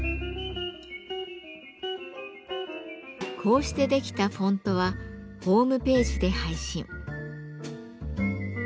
こうして出来たフォントはホームページで配信。